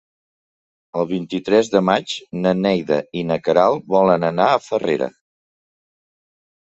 El vint-i-tres de maig na Neida i na Queralt volen anar a Farrera.